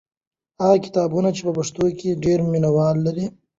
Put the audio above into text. هغه کتابونه چې په پښتو دي ډېر مینه وال لري.